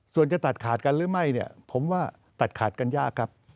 ส่วนจะตัดขาดกันหรือไม่เนี่ยผมว่าตัดขาดกันยากครับ